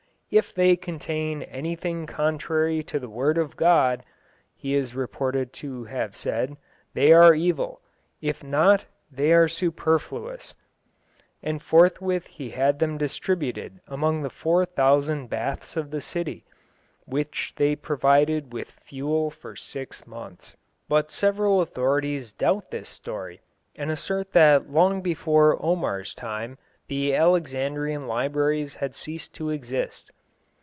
"If they contain anything contrary to the word of God," he is reported to have said, "they are evil; if not, they are superfluous," and forthwith he had them distributed among the four thousand baths of the city, which they provided with fuel for six months. But several authorities doubt this story, and assert that long before Omar's time the Alexandrian libraries had ceased to exist.